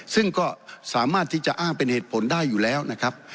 ซึ่งก็สามารถที่จะอ้างเป็นเหตุผลได้อยู่แล้วนะครับ